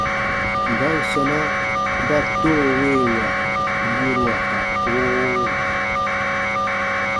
Mban sɔ̃na ba “toowewa” yorua ka “oo”?